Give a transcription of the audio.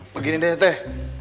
begini deh teh